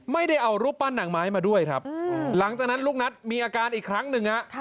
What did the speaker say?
ไม่ได้เอารูปปั้นหนังไม้มาด้วยครับหลังจากนั้นลูกนัทมีอาการอีกครั้งหนึ่งฮะ